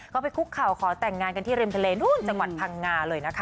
ก็ไปคุกเข่าขอแต่งงานกันที่ริมทะเลนู่นจังหวัดพังงาเลยนะคะ